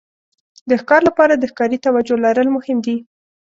د ښکار لپاره د ښکاري توجو لرل مهم دي.